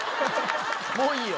もういいよ。